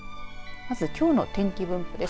まずきょうの天気分布です。